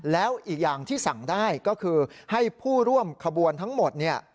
แล้วอีกอย่างที่สั่งได้ก็คือให้ผู้ร่วมขบวนทั้งหมดเนี่ย